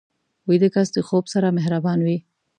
ویده کس د خوب سره مهربان وي